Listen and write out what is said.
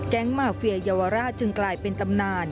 มาเฟียเยาวราชจึงกลายเป็นตำนาน